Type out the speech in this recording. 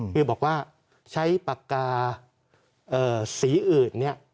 คือบอกว่าใช้ปากกาสีอื่นเนี่ย